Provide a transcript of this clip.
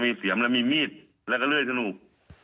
มีเสียมแล้วมีมีดแล้วก็เลื่อยสนุก